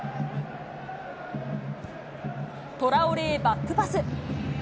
トラオレへバックパス。